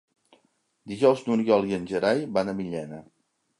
Dijous n'Oriol i en Gerai van a Millena.